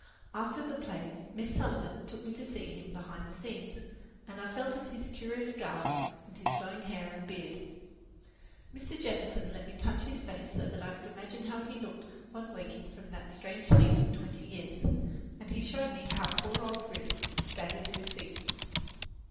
After the play Miss Sullivan took me to see him behind the scenes, and I felt of his curious garb and his flowing hair and beard. Mr. Jefferson let me touch his face so that I could imagine how he looked on waking from that strange sleep of twenty years, and he showed me how poor old Rip staggered to his feet.